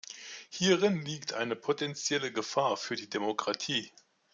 Hierin liegt eine potenzielle Gefahr für die Demokratie.